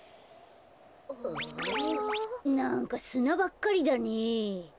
なんかすなばっかりだねえ。